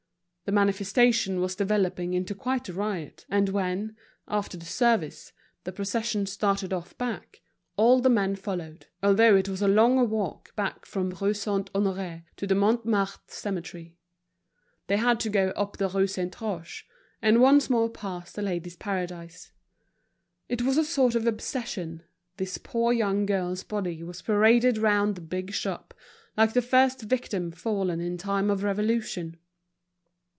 The manifestation was developing into quite a riot; and when, after the service, the procession started off back, all the men followed, although it was a long walk from the Rue Saint Honoré to the Montmartre Cemetery. They had to go up the Rue Saint Roch, and once more pass The Ladies' Paradise. It was a sort of obsession; this poor young girl's body was paraded round the big shop like the first victim fallen in time of revolution.